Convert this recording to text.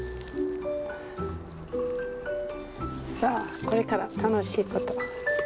さぁこれから楽しいこと！